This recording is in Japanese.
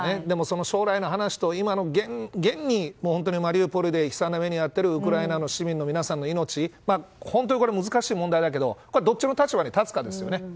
でも、将来のところと今の現に、マリウポリで悲惨な目に遭っているウクライナの市民の皆さんの命本当に難しい問題だけどどっちの立場に立つかですよね。